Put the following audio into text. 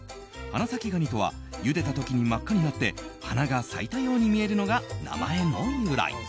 花咲ガニとはゆでた時に真っ赤になって花が咲いたように見えるのが名前の由来。